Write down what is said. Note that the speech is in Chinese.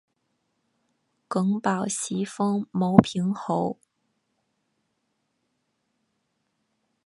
耿宝袭封牟平侯。